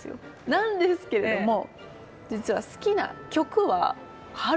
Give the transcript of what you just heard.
なんですけれども実は好きな曲は春の曲が多くて。